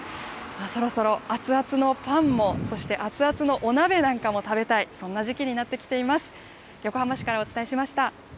そろそろ熱々のパンも、そして熱々のお鍋なんかも食べたい、そんな時期になってきています。